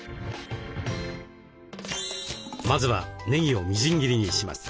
まずはねぎをみじん切りにします。